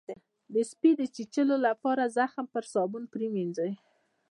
د سپي د چیچلو لپاره زخم په صابون ووینځئ